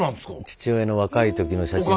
父親の若い時の写真。